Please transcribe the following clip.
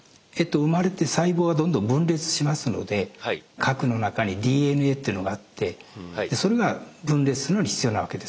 生まれて細胞がどんどん分裂しますので核の中にＤＮＡっていうのがあってそれが分裂するのに必要なわけです。